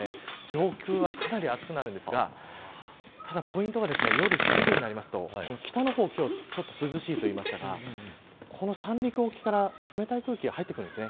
上空は、かなり暑くなるんですがただポイントは夜９時になりますと北の方、今日はちょっと涼しいと言いましたが三陸沖から冷たい空気が入ってくるんです。